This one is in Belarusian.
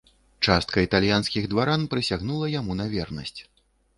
Частка італьянскіх дваран прысягнула яму на вернасць.